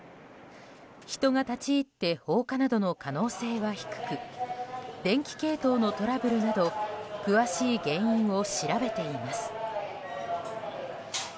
人が立ち入って放火などの可能性は低く電気系統のトラブルなど詳しい原因を調べています。